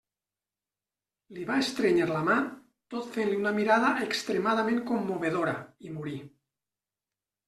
Li va estrènyer la mà, tot fent-li una mirada extremadament commovedora, i morí.